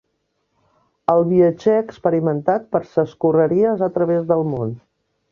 El viatger experimentat per ses correries al través del món